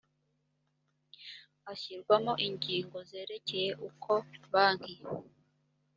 ashyirwamo ingingo zerekeye uko banki